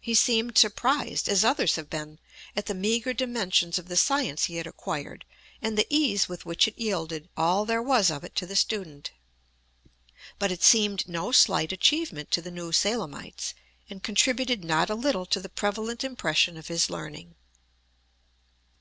He seemed surprised, as others have been, at the meager dimensions of the science he had acquired and the ease with which it yielded all there was of it to the student. But it seemed no slight achievement to the New Salemites, and contributed not a little to the prevalent impression of his learning.